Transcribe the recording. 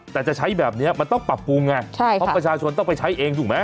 แต่จะใช้แบบนี้มันต้องปรับปรุงไงใช่เพราะประชาชนต้องไปใช้เองถูกไหม